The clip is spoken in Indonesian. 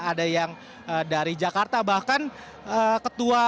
ada yang dari jakarta bahkan ketua